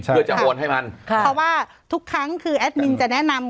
เพื่อจะโอนให้มันค่ะเพราะว่าทุกครั้งคือแอดมินจะแนะนำ